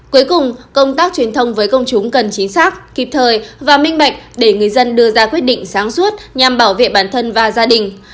cuối cùng công tác truyền thông với công chúng cần chính xác kịp thời và minh bạch để người dân đưa ra quyết định sáng suốt nhằm bảo vệ bản thân và gia đình